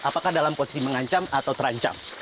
apakah dalam posisi mengancam atau terancam